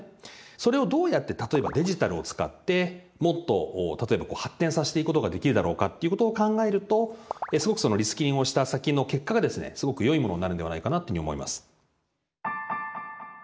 それをどうやって例えばデジタルを使ってもっと例えば発展させていくことができるだろうかっていうことを考えるとすごくそのリスキリングをした先の結果がですねすごく良いものになるんではないかなというふうに思います。